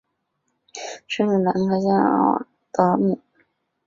生于兰开夏郡奥尔德姆。